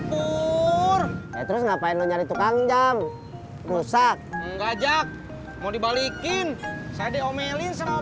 kupu ngapain nyeri tukang jam rusak ngajak mau dibalikinoton smart